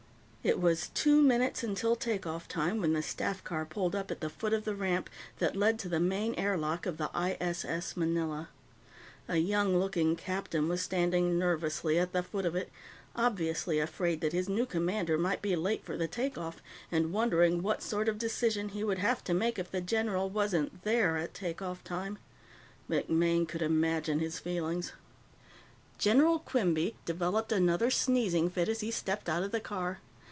It was two minutes until take off time when the staff car pulled up at the foot of the ramp that led up to the main air lock of the ISS Manila. A young looking captain was standing nervously at the foot of it, obviously afraid that his new commander might be late for the take off and wondering what sort of decision he would have to make if the general wasn't there at take off time. MacMaine could imagine his feelings. "General Quinby" developed another sneezing fit as he stepped out of the car.